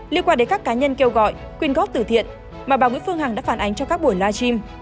liên quan đến các cá nhân kêu gọi quyên góp tử thiện mà bà nguyễn phương hằng đã phản ánh cho các bà phương hằng